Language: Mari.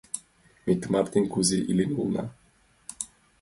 Ме тымартен кузе илен улына?